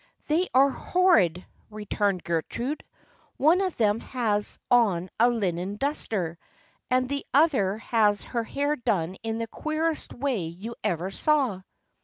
" They are horrid," returned Gertrude. " One of them has on a linen duster, and the other has her hair done in the queerest way you ever saw."